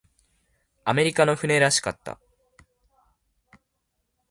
アメリカの船らしかった。